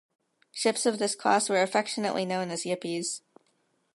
Ships of this class were affectionately known as "Yippies".